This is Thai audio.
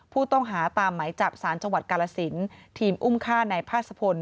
ผู้ต้องหาตามไหมจับสารจังหวัดกาลสินทีมอุ้มฆ่าในภาษพล